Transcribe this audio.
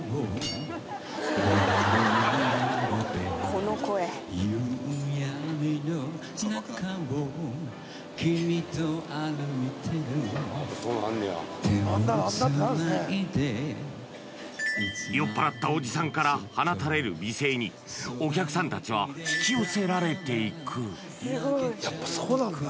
この酔っ払ったおじさんから放たれる美声にお客さんたちは引き寄せられていくすごいやっぱそうなんだ